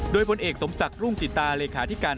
โดยผลเอกสมศักดิ์รุ่งสิตาเลขาธิการ